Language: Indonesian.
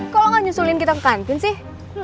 kok lo gak nyusulin kita ke kantin sih